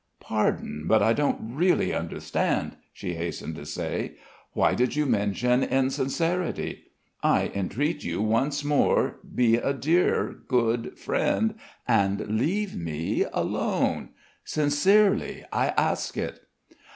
"Pardon, but I don't really understand," she hastened to say. "Why did you mention insincerity? I entreat you once more, be a dear, good friend and leave me alone. Sincerely, I ask it."